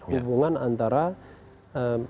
hubungan antara presiden